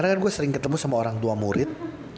karena kan gue sering ketemu sama orang tua murid